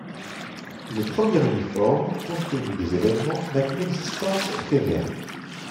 Le premier uniforme, compte tenu des événements, n'a qu'une existence éphémère.